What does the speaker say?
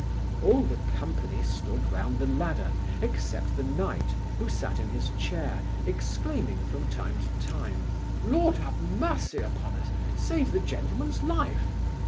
All the company stood round the ladder, except the knight, who sat in his chair, exclaiming from time to time, 'Lord, have mercy upon us! save the gentleman's life!